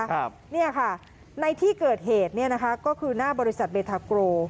ครับเนี่ยค่ะในที่เกิดเหตุเนี่ยนะคะก็คือหน้าบริษัทเบทาโก